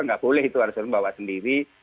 nggak boleh itu harus bawa sendiri